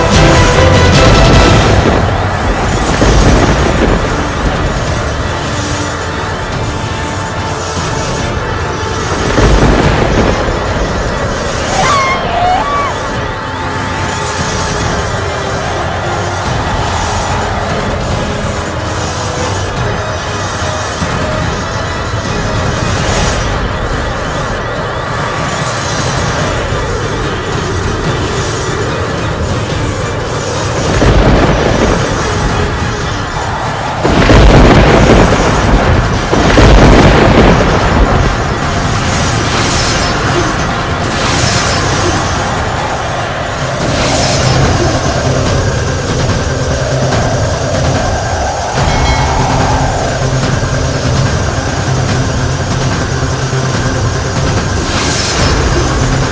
scarlethep dapat tuanya